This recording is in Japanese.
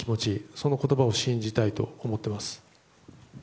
その言葉を信じたいと思います。